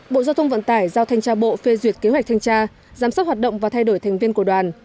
bộ giao thông vận tải giao thanh tra bộ phê duyệt kế hoạch thanh tra giám sát hoạt động và thay đổi thành viên của đoàn